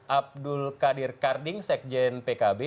abdul qadir karding sekjen pkb